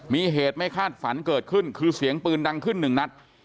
มีเหตุไม่คาดฝันเกิดขึ้นคือเสียงปืนดังขึ้นหนึ่งนัด